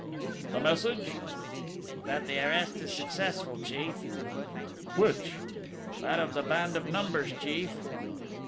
"The message?" "That the arrest is successful, chief." "Which?" "That of the band of Numbers, chief."